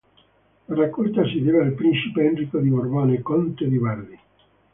La raccolta si deve al principe Enrico di Borbone conte di Bardi.